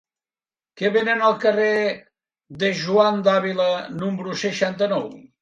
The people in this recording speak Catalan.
Què venen al carrer de Juan de Ávila número seixanta-nou?